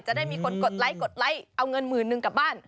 จะได้มีคนกดไลค์เอาเงิน๑๐๐๐๐กลับบ้าน